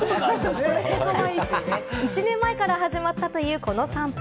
１年前から始まったというこの散歩。